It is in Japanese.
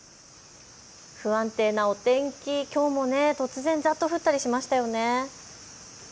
不安定なお天気、きょうも突然ざっと降ったりしましたよね。